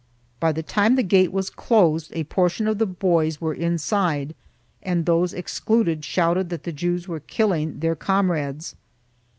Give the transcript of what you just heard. By the time the gate was closed a por tion of the boys were inside and those excluded shouted that the Jews were killing their comrades.